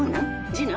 次男？